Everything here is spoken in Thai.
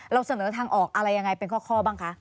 เราเสนอทางออกอะไรยังไงเป็นข้อบ้างคะ